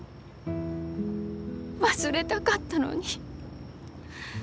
忘れたかったのに。